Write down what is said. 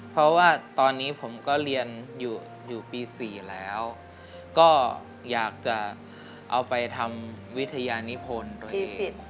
เพราะว่าตอนนี้ผมก็เรียนอยู่ปี๔แล้วก็อยากจะเอาไปทำวิทยานิพลโดยที่สุด